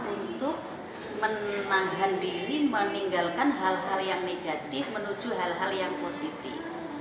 untuk menahan diri meninggalkan hal hal yang negatif menuju hal hal yang positif